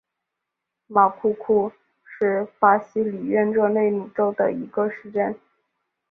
马库库是巴西里约热内卢州的一个市镇。